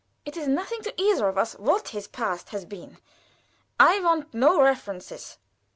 It is nothing to either of us what his past has been. I want no references.